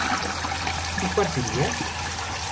¿tú partirías?